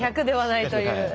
１００ではないという。